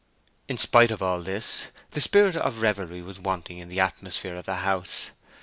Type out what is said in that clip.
In spite of all this, the spirit of revelry was wanting in the atmosphere of the house.